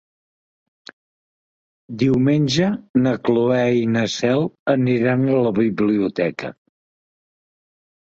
Diumenge na Cloè i na Cel aniran a la biblioteca.